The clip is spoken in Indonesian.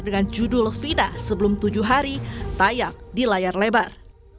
dengan judul fina sebelum tujuh hari tayak di layar lebar